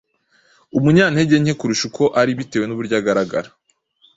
umunyantege nke kurusha uko ari bitewe n’uburyo agaragara.